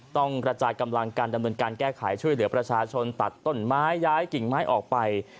ต้องกระจายกำลังการดำเนินการแก้ไขช่วยเหลือประชาชนตัดต้นไม้ย้ายกิ่งไม้ออกไป